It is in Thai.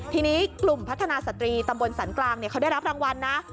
ทีนี้กลุ่มพัฒนาสตรีตำบลสันกลางเขาได้รับรางวัลนะ